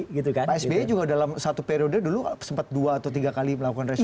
pak sby juga dalam satu periode dulu sempat dua atau tiga kali melakukan restu